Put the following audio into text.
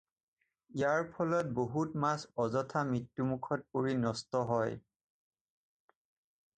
ইয়াৰ ফলত বহুত মাছ অযথা মৃত্যুমুখত পৰি নষ্ট হয়।